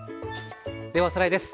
ではおさらいです。